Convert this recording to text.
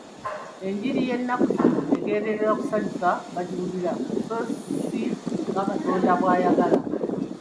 Enjiri y'ennaku zino egenderera kusanyusa bagiwulira so si nga Katonda bw'agyagala.